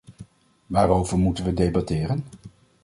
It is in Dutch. Waarover moeten we debatteren?